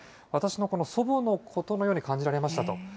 私の祖母のことのように感じられましたと。